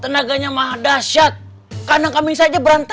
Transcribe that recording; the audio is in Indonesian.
masalahnya lagu eh kalau gak berhasil sejak sizin ambil kol cl deber itu